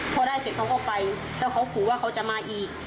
พอได้เสร็จเขาก็ไปแล้วเขาขู่ว่าเขาจะมาอีก